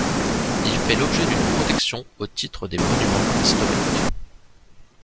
Il fait l'objet d'une protection au titre des monuments historiques.